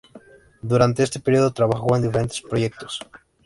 Durante este periodo trabajó en diferentes proyectos.